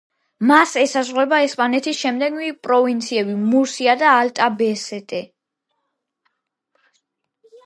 მას ესაზღვრება ესპანეთის შემდეგი პროვინციები: მურსია და ალბასეტე.